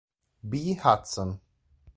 B. Hudson.